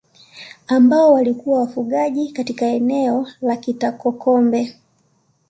Ambao walikuwa wafugaji katika eneo la Katakokombe